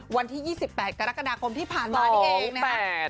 วันที่๒๘กรกฎาคมที่ผ่านมานี่เองนะครับ